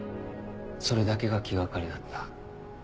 それだけが気掛かりだった。